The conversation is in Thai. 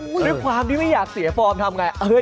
คะเพียงความที่ไม่อยากเสียฟอร์มทำอย่างไร